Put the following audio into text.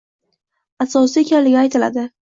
asosi ekanligi aytiladi.